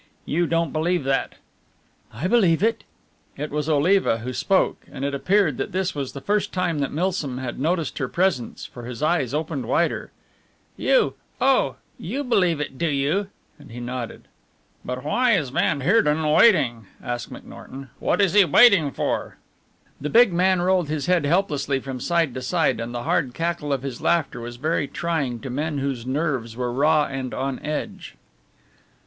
You don't believe that?" "I believe it." It was Oliva who spoke, and it appeared that this was the first time that Milsom had noticed her presence, for his eyes opened wider. "You oh, you believe it, do you?" and he nodded. "But why is van Heerden waiting?" asked McNorton. "What is he waiting for?" The big man rolled his head helplessly from side to side, and the hard cackle of his laughter was very trying to men whose nerves were raw and on edge.